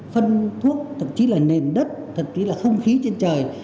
phân thuốc thậm chí là nền đất thậm chí là không khí trên trời